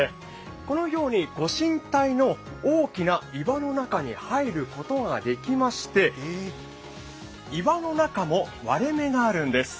このように御神体の大きな岩の中に入ることができまして岩の中も割れ目があるんです。